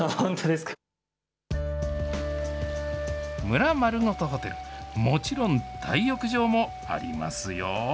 村まるごとホテル、もちろん、大浴場もありますよ。